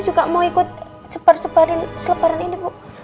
juga mau ikut sebar sebarin selebaran ini